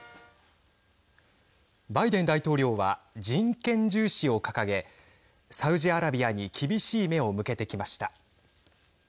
バイデン大統領は人権重視を掲げサウジアラビアに厳しい目を向けてきました。